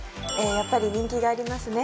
やっぱり人気がありますね。